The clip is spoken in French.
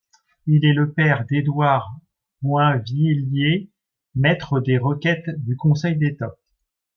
Il est le père d'Édouard Boinvilliers, maître des requêtes au Conseil d'État.